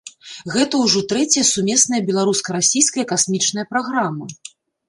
Гэта ўжо трэцяя сумесная беларуска-расійская касмічная праграма.